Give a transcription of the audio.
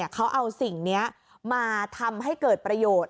เขาเอาสิ่งนี้มาทำให้เกิดประโยชน์